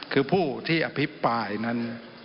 คือผู้ที่อภิปรายนั้น